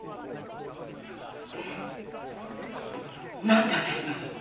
何で私なの？